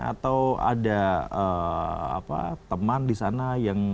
atau ada teman di sana yang